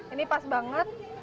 ini pas banget